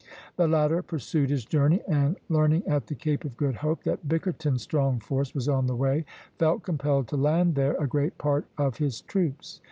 The latter pursued his journey, and learning at the Cape of Good Hope that Bickerton's strong force was on the way, felt compelled to land there a great part of his troops.